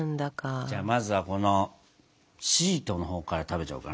じゃあまずはこのシートのほうから食べちゃおうかな。